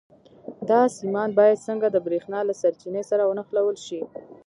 دا سیمان باید څنګه د برېښنا له سرچینې سره ونښلول شي؟